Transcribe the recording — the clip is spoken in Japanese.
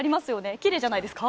きれいじゃないですか？